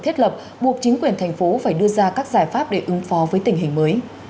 thiết lập buộc chính quyền thành phố phải đưa ra các giải pháp để ứng phó với tình hình mới